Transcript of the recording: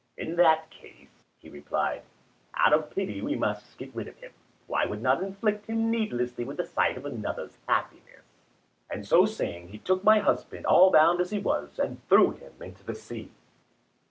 "In that case" he replied, "out of pity we must get rid of him, for I would not afflict him needlessly with the sight of another's happiness." And so saying, he took my husband, all bound as he was, and threw him into the sea.